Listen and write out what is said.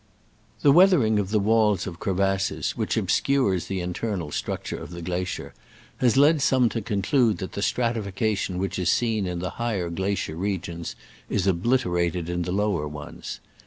The weathering of the walls of cre vasses, which obscures the internal struc ture of the glacier, has led some to con clude that the stratification which is seen in the higher glacier regions is obliterated in the lower ones.